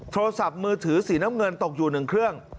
โทรศัพท์มือถือสีน้ำเงินตกอยู่๑เครื่อง